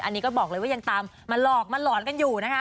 อันนี้ก็บอกเลยว่ายังตามมาหลอกมาหลอนกันอยู่นะคะ